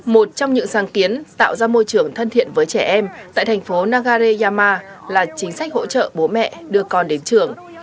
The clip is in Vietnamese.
một trong những sáng kiến tạo ra môi trường thân thiện với trẻ em tại thành phố nagareyama là chính sách hỗ trợ bố mẹ đưa con đến trường